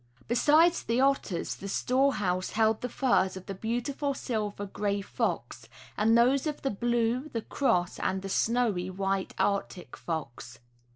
Besides the otters the store house held the furs of the beautiful silver gray fox, and those of the blue, the cross, and the snowy white Arctic fox.